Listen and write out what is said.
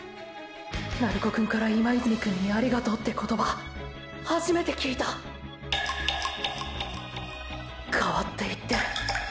鳴子くんから今泉くんにありがとうって言葉初めて聞いた変わっていってる。